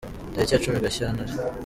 Tariki ya cumi Gashyantare